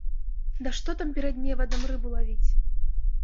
Да што там перад невадам рыбу лавіць!